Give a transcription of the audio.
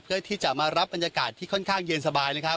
เพื่อที่จะมารับบรรยากาศที่ค่อนข้างเย็นสบายนะครับ